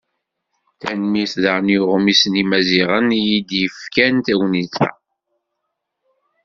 Tanemmirt daɣen i uɣmis n Yimaziɣen i yi-d-yefkan tagnit-a.